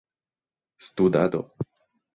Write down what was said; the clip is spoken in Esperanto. studado